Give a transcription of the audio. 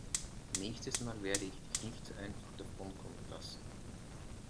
Nächstes Mal werde ich dich nicht so einfach davonkommen lassen.